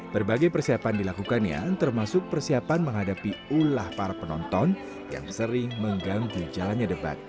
berbagai persiapan dilakukannya termasuk persiapan menghadapi ulah para penonton yang sering mengganggu jalannya debat